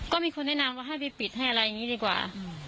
ก็มีคนแนะนำว่าให้ไปปิดให้อะไรอย่างนี้ดีกว่า